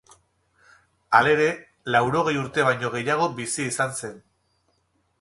Halere, laurogei urte baino gehiago bizi izan zen.